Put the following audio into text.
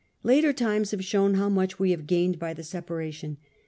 Later times have shown how much we have gained by the separation.